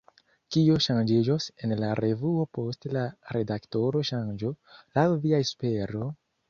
Kio ŝanĝiĝos en la revuo post la redaktora ŝanĝo, laŭ via espero?